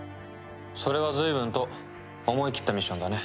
それはずいぶんと思いきったミッションだね。